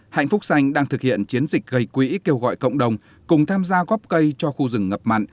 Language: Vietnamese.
hạnh phúc xanh đang thực hiện chiến dịch gây quỹ kêu gọi cộng đồng cùng tham gia góp cây cho khu rừng ngập mặn